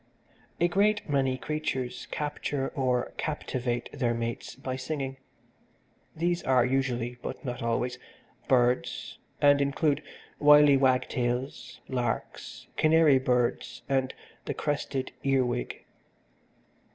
"A great many creatures capture or captivate their mates by singing. These are usually, but not always, birds, and include wily wagtails, larks, canary birds and the crested earwig.